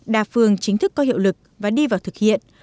đa phương chính thức có hiệu lực và đi vào thực hiện